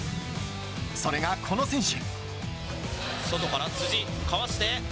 それが、この選手。